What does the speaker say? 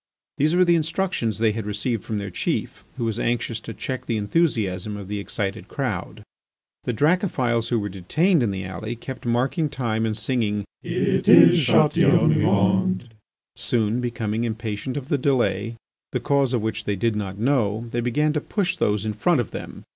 These were the instructions they had received from their chief, who was anxious to check the enthusiasm of the excited crowd. The Dracophils who were detained in the alley kept marking time and singing, "It is Chatillon we want." Soon, becoming impatient of the delay, the cause of which they did not know, they began to push those in front of them.